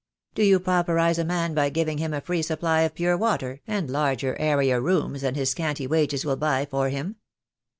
Do you pauperise a man by giving him a free supply of pure water, and larger, airier rooms than his scanty wages will buy for him?